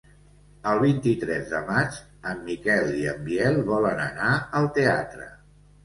El vint-i-tres de maig en Miquel i en Biel volen anar al teatre.